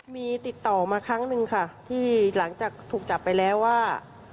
มีติดต่อมาครั้งหนึ่งค่ะที่หลังจากถูกจับไปแล้วว่า